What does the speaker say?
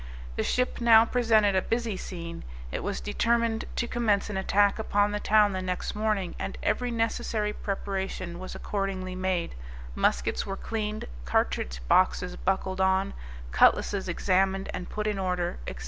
The ship now presented a busy scene; it was determined to commence an attack upon the town the next morning, and every necessary preparation was accordingly made, muskets were cleaned, cartridge boxes buckled on, cutlasses examined and put in order, &c.